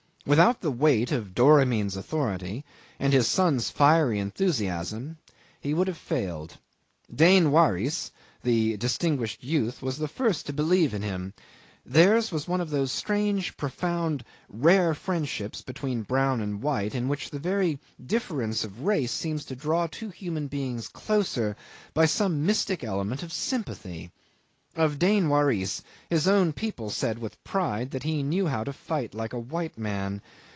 Without the weight of Doramin's authority, and his son's fiery enthusiasm, he would have failed. Dain Waris, the distinguished youth, was the first to believe in him; theirs was one of those strange, profound, rare friendships between brown and white, in which the very difference of race seems to draw two human beings closer by some mystic element of sympathy. Of Dain Waris, his own people said with pride that he knew how to fight like a white man.